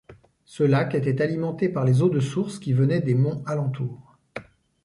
Ce lac était alimenté par les eaux de source qui venaient des monts alentour.